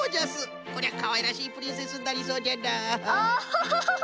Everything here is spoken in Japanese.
こりゃかわいらしいプリンセスになりそうじゃな。